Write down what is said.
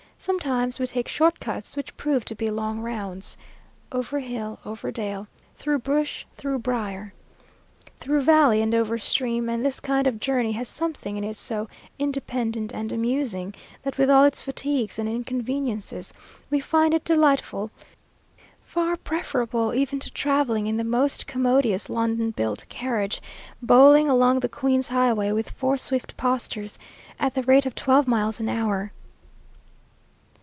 Sometimes we take short cuts, which prove to be long rounds: "Over hill, over dale, Through bush, through brier;" through valley and over stream; and this kind of journey has something in it so independent and amusing, that with all its fatigues and inconveniences, we find it delightful far preferable even to travelling in the most commodious London built carriage, bowling along the queen's highway with four swift posters, at the rate of twelve miles an hour.